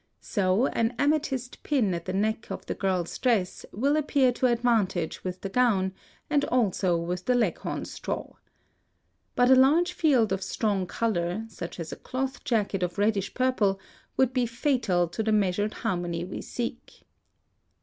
So an amethyst pin at the neck of the girl's dress will appear to advantage with the gown, and also with the Leghorn straw. But a large field of strong color, such as a cloth jacket of reddish purple, would be fatal to the measured harmony we seek.